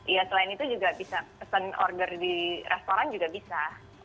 ya selain itu juga bisa pesen order di restoran juga bisa